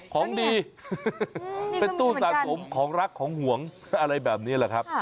ของดีเป็นตู้สะสมของรักของห่วงอะไรแบบนี้แหละครับ